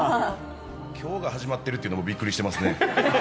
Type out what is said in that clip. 今日が始まってるっていうのもびっくりしていますね。